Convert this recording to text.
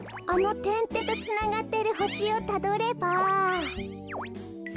あのてんてんとつながってるほしをたどれば。